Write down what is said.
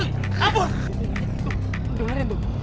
duh diharin tuh